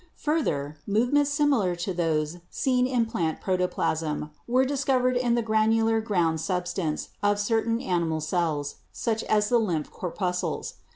Further, movements similar to those seen in plant protoplasm were discovered in the granular ground substance of certain animal cells, such as the lymph corpuscles.